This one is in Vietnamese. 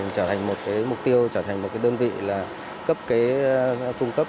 trở thành một cái mục tiêu trở thành một cái đơn vị là cấp cái cung cấp